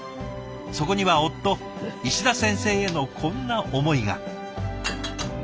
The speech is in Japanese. そこには夫石田先生へのこんな思いが。